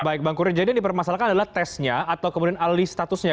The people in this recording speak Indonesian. baik bang kurni jadi yang dipermasalahkan adalah tesnya atau kemudian alih statusnya